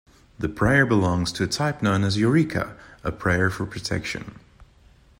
The prayer belongs to a type known as a "lorica", a prayer for protection.